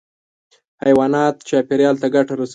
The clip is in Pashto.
حیوانات چاپېریال ته ګټه رسوي.